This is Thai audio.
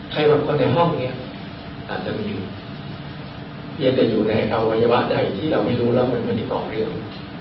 เพียงแต่อยู่ในวัยวะใดที่เราไม่รู้แล้วมันไม่ได้กล่อเรื่อง